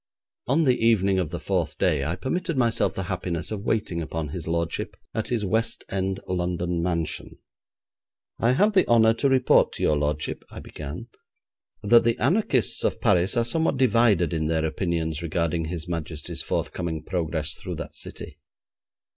On the evening of the fourth day I permitted myself the happiness of waiting upon his lordship at his West End London mansion. 'I have the honour to report to your lordship,' I began, 'that the anarchists of Paris are somewhat divided in their opinions regarding His Majesty's forthcoming progress through that city.